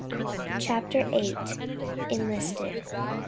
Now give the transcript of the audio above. CHAPTER VIII. ENLISTED.